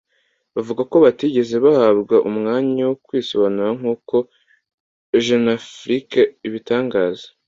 bavuga ko batigeze bahabwa umwanya wo kwisobanura nkuko Jeunafrique ibitangaza